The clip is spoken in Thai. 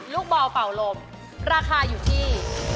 ลูกบอลเป่าลมราคาอยู่ที่